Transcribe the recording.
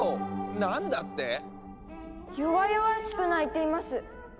何だって⁉弱々しく鳴いています。